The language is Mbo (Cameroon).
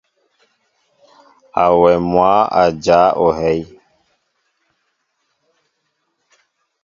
Awem mwă a jáa ohɛy.